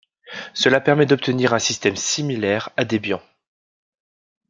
Cela permet d'obtenir un système similaire à Debian.